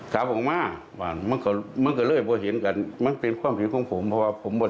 คือว่าเหมือนกับท่าเผ่าของผมเอง